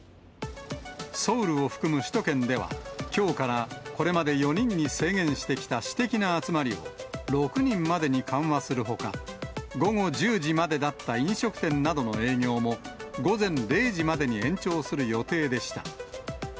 ソウルを含む首都圏では、きょうからこれまで４人に制限してきた私的な集まりを、６人までに緩和するほか、午後１０時までだった飲食店などの営業も、午前０時までに延長する予定でした。